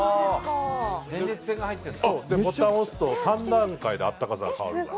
ボタン押すと３段階であったかさが変わるから。